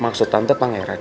maksud tante pangeran